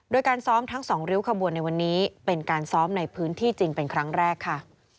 โดยการซ้อมทั้งสองริ้วขบวนในวันนี้เป็นการซ้อมในพื้นที่จริงเป็นครั้งแรกค่ะ